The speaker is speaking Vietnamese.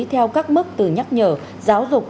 theo các mức từ nhắc nhở giáo dục